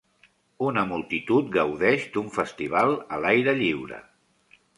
Una multitud gaudeix d'un festival a l'aire lliure.